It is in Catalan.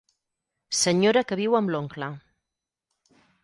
Senyora que viu amb l'oncle.